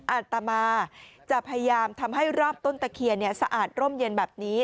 อาตมาจะพยายามทำให้รอบต้นตะเคียนสะอาดร่มเย็นแบบนี้